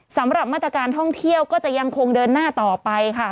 สำหรับมาตรการท่องเที่ยวก็จะยังคงเดินหน้าต่อไปค่ะ